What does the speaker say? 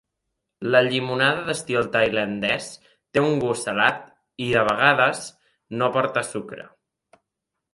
La llimonada d'estil tailandès té un gust salat i, de vegades, no porta sucre.